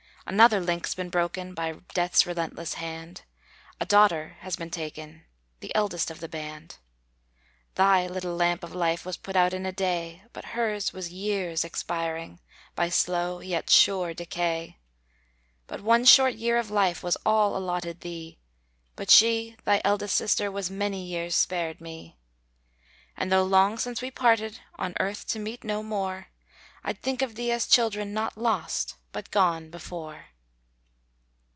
Another link's been broken, By death's relentless hand; A daughter has been taken, The eldest of the band. Thy little lamp of life, Was put out in a day; But hers was years expiring, By slow yet sure decay. But one short year of life, Was all allotted thee; But she, thy eldest sister, Was many years spared me. And though long since we parted, On earth to meet no more; I'd think of thee as children "Not lost, but gone before."